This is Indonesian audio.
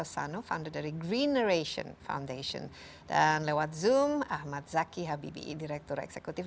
yang gambaran ituié d statistics mixed